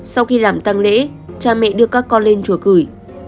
sau khi làm tăng lễ cha mẹ đưa các con lên chùa gửi